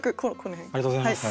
ありがとうございます。